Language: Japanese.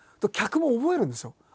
客も覚えるんですよ。